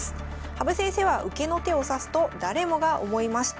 羽生先生は受けの手を指すと誰もが思いました。